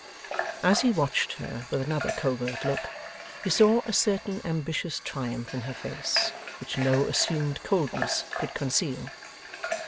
As he watched her with another covert look, he saw a certain ambitious triumph in her face which no assumed coldness could conceal.